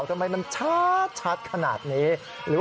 ทำไมมันชัดขนาดนี้